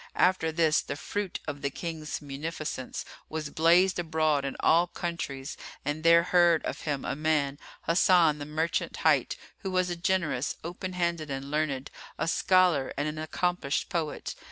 After this, the bruit of the King's munificence was blazed abroad in all countries and there heard of him a man, Hasan the Merchant hight, who was a generous, open handed and learned, a scholar and an accomplished poet.